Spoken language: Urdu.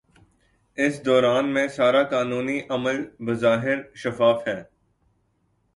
اس دوران میں سارا قانونی عمل بظاہر شفاف ہے۔